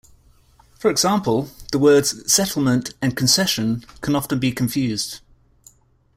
For example, the words "settlement" and "concession" can often be confused.